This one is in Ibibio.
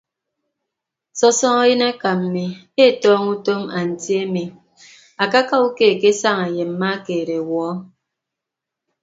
Sọsọñọ yịn eka mmi etọñọ utom anti ami akaaka uke akesaña ye mma keed ọwuọ.